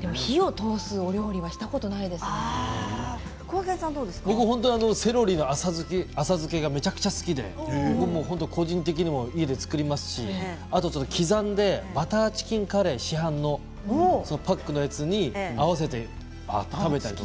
でも火を通すお料理は僕、本当にセロリの浅漬けがめちゃくちゃ好きで個人的にも家で作りますしあと刻んでバターチキンカレー、市販のパックのやつに合わせて食べたり。